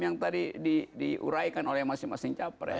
yang tadi diuraikan oleh masing masing capres